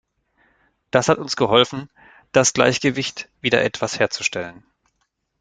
Das hat uns geholfen, das Gleichgewicht wieder etwas herzustellen.